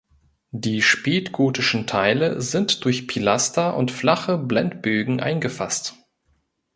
Die spätgotischen Teile sind durch Pilaster und flache Blendbögen eingefasst.